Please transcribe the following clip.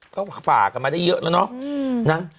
ก็ฝากกันมาได้เยอะแล้วเนาะ